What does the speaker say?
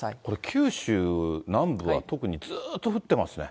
九州南部は特にずーっと降ってますね。